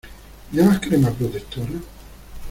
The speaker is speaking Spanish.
¿Llevas crema protectora?